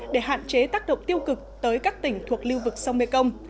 để hạn chế tác động tiêu cực tới các tỉnh thuộc lưu vực sông mê công